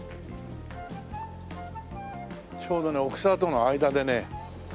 ちょうどね奥沢との間でね。